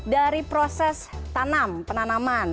dari proses tanam penanaman